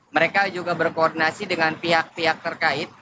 mereka juga berkoordinasi dengan pihak pihak terkait